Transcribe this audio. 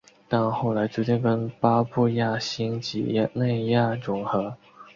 但后来逐渐跟巴布亚新几内亚融合。